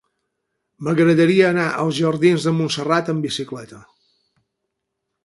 M'agradaria anar als jardins de Montserrat amb bicicleta.